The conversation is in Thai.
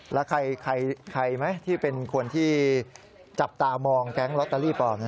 แล้วใครไหมที่เป็นคนที่จับตามองแก๊งลอตเตอรี่ปลอม